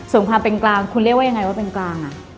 ส่วนความเป็นกลางคุณเรียกว่ายังไงว่าเป็นกลาง